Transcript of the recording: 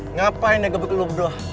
ngapain dia gebek lu berdua